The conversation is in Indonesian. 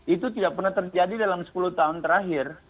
itu tidak pernah terjadi dalam sepuluh tahun terakhir